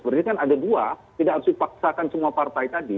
berarti kan ada dua tidak harus dipaksakan semua partai tadi